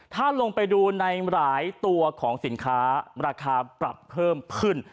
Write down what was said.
ถ้าลงไปดูในหลายตัวของสินค้าราคาปรับเพิ่มขึ้น